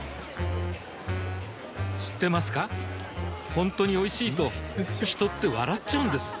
ほんとにおいしいと人って笑っちゃうんです